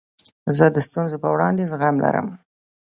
زه د ستونزو په وړاندي زغم لرم.